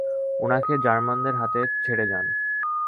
ওনাকে জার্মানদের হাতে ছেড়ে যান।